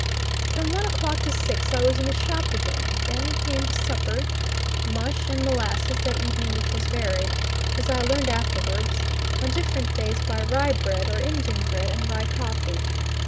From one o'clock to six I was in the shop again; then came Supper mush and molasses that evening which was varied, as I learned afterwards, on different days by rye bread, or Indian bread and rye coffee.